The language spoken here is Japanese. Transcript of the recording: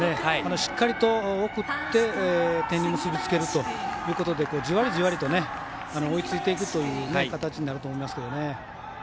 しっかりと送って点に結びつけるということでじわりじわりと追いついていくという形になると思いますけどね。